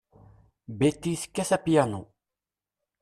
Betty tekkat apyanu.